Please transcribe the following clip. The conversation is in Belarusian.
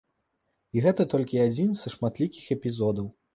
І гэта толькі адзін са шматлікіх эпізодаў.